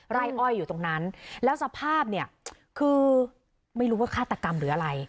ไร่อ้อยอยู่ตรงนั้นแล้วสภาพเนี่ยคือไม่รู้ว่าฆาตกรรมหรืออะไร